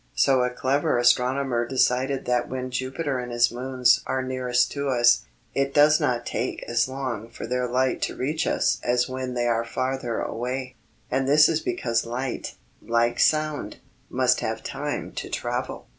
So a clever astronomer decided that when Jupiter and his moons are nearest to us, it does not take as long for their light to reach us as when they are farther away, and this is because light, like sound, must have time to travel.